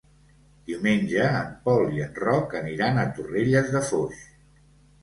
Diumenge en Pol i en Roc aniran a Torrelles de Foix.